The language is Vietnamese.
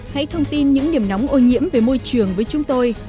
hãy thông tin những điểm nóng ô nhiễm về môi trường với chúng tôi